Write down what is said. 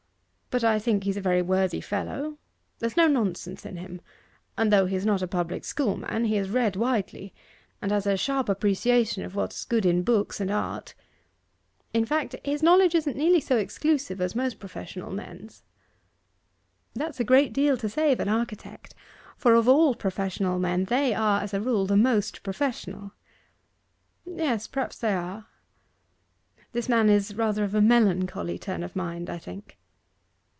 But I think he's a very worthy fellow; there's no nonsense in him, and though he is not a public school man he has read widely, and has a sharp appreciation of what's good in books and art. In fact, his knowledge isn't nearly so exclusive as most professional men's.' 'That's a great deal to say of an architect, for of all professional men they are, as a rule, the most professional.' 'Yes; perhaps they are. This man is rather of a melancholy turn of mind, I think.